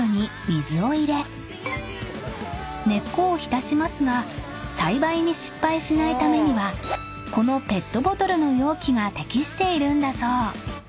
［根っこを浸しますが栽培に失敗しないためにはこのペットボトルの容器が適しているんだそう］